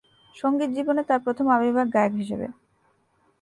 সঙ্গীত জীবনে তার প্রথম আবির্ভাব গায়ক হিসাবে।